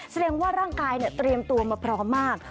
แสดงว่าร่างกายเตรียมตัวมาพร้อมมาก